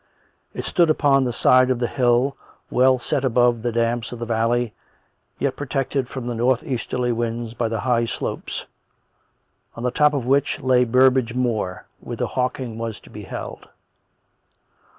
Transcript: It srtood upon the side of the hill, well set up above the damps of the valley, yet protected from the north easterly winds by the higher slopes, on the tops of which lay Burbagc Moor, where the hawking was to be held.